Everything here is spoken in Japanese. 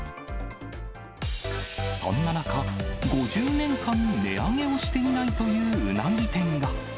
そんな中、５０年間、値上げをしていないといううなぎ店が。